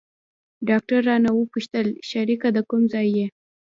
ډاکتر رانه وپوښتل شريکه د کوم ځاى يې.